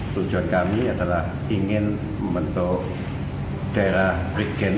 tujuan kami adalah ingin membentuk daerah brigjen